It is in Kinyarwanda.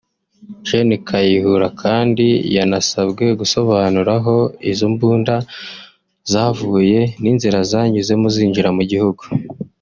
Gen Kayihura kandi yanasabwe gusobanura aho izo mbunda zavuye n’inzira zanyuzemo zinjira mu gihugu